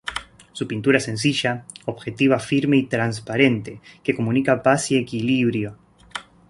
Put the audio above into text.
Su pintura es sencilla, objetiva, firme y transparente, que comunica paz y equilibrio.